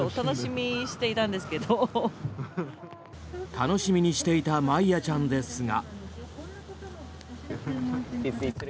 楽しみにしていたマイヤちゃんですが。